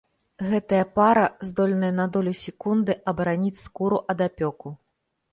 Гэтая пара здольная на долю секунды абараніць скуру ад апёку.